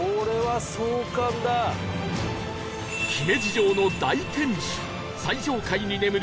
姫路城の大天守最上階に眠る